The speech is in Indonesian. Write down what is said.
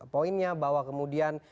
poinnya bahwa kemudian